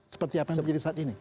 seperti apa yang terjadi saat ini